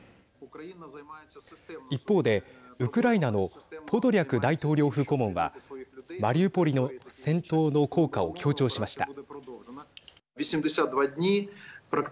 一方でウクライナのポドリャク大統領府顧問はマリウポリの戦闘の効果を強調しました。